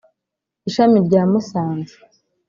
ishami rya Musanze